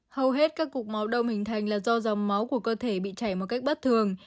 hầu hết các cục máu đông hình thành là do dòng máu của cơ thể bị chảy một cách bất thường